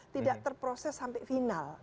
tidak terproses sampai final